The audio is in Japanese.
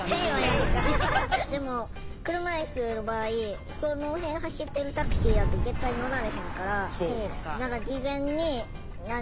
でも車いすの場合その辺走ってるタクシーやと絶対乗られへんから。